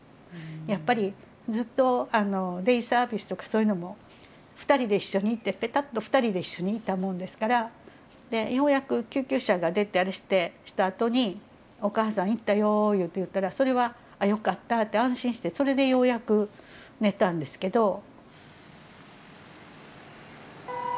やっぱりずっとデイサービスとかそういうのも２人で一緒に行ってぺたっと２人で一緒にいたもんですからようやく救急車が出たりしたあとに「お母さん行ったよ」って言ったら「あっよかった」って安心してそれでようやく寝たんですけど。